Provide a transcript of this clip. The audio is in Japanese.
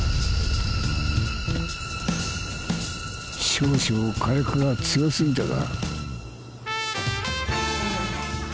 少々火薬が強過ぎたか。